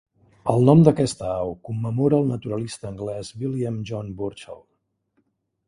El nom d'aquesta au commemora el naturalista anglès William John Burchell.